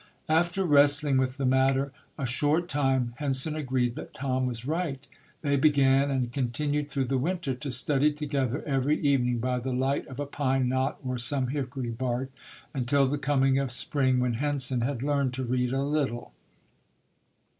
After wrestling with the matter a short time, Henson agreed that Tom was right. They began and continued through the winter to study to gether every evening by the light of a pine knot or some hickory bark, until the coming of spring, when Henson had learned to read a little.